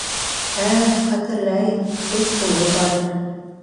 Ә-ә, хәтерләйем, өс улы бар ине...